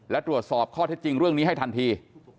และตรวจสอบข้อเท็จจริงเรื่องนี้ให้ทันที